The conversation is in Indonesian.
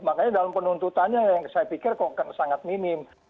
makanya dalam penuntutannya yang saya pikir kok sangat minim